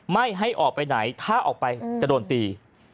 ไม่ให้ออกไปไหนถ้าออกไปจะโดนตี